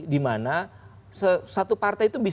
di mana satu partai itu